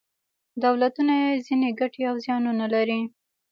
دولتونه ځینې ګټې او زیانونه لري.